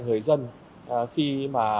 người dân khi mà